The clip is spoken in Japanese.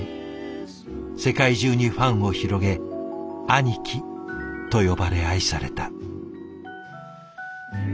世界中にファンを広げ「アニキ」と呼ばれ愛された。